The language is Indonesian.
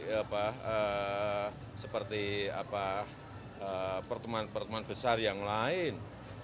ya seperti apa perteman perteman besar yang lain